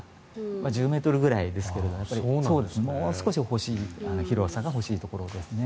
１０ｍぐらいですけどもう少し広さが欲しいところですね。